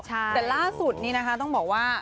แต่ล่าสุดนี่นะคะ